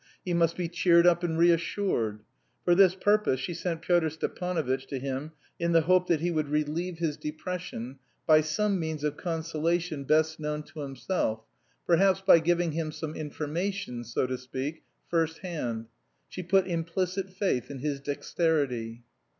He must be cheered up and reassured. For this purpose she sent Pyotr Stepanovitch to him in the hope that he would relieve his depression by some means of consolation best known to himself, perhaps by giving him some information, so to speak, first hand. She put implicit faith in his dexterity.